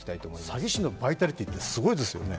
詐欺師のバイタリティーってすごいですよね。